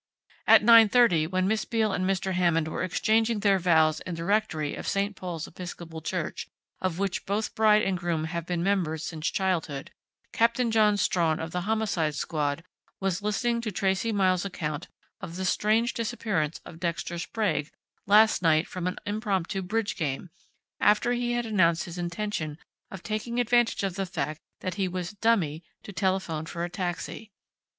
"At 9:30, when Miss Beale and Mr. Hammond were exchanging their vows in the rectory of St. Paul's Episcopal Church, of which both bride and groom have been members since childhood, Captain John Strawn of the Homicide Squad was listening to Tracey Miles' account of the strange disappearance of Dexter Sprague last night from an impromptu bridge game, after he had announced his intention of taking advantage of the fact that he was 'dummy' to telephone for a taxi.